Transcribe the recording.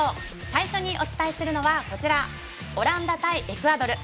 最初にお伝えするのはオランダ対エクアドル。